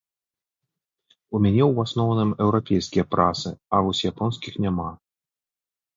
У мяне ў асноўным еўрапейскія прасы, а вось японскіх няма.